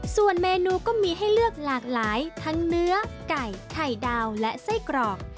ส่วนเมนูก็มีให้เลือกหลากหลายทั้งเนื้อไก่ไข่ดาวและไส้กรอก